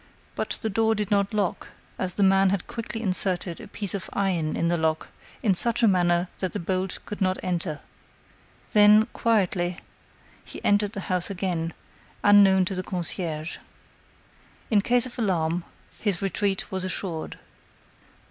But the door did not lock, as the man had quickly inserted a piece of iron in the lock in such a manner that the bolt could not enter. Then, quietly, he entered the house again, unknown to the concierge. In case of alarm, his retreat was assured.